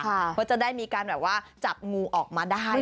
เพราะจะได้มีการแบบว่าจับงูออกมาได้